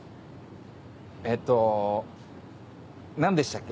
えっと何でしたっけ